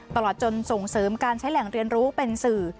ตลอดจนส่งเสริมการใช้แหล่งเรียนรู้เป็นสื่อ